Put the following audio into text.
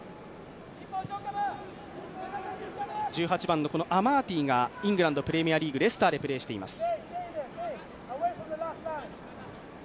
１８番のアマーティがイングランドのレスターでプレーしています。